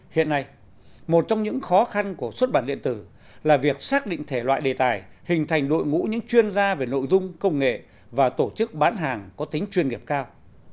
hiện nay một trong những khó khăn của xuất bản điện tử là việc xác định thể loại đề tài hình thành đội ngũ những chuyên gia về nội dung công nghệ và tổ chức bán hàng có tính chuyên nghiệp cao